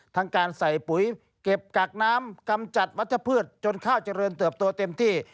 ทั้งการใส่ปุ๋ยเก็บกักน้ำกำจัดวัชพืชจนข้าวเจริญเติบโตเต็มที่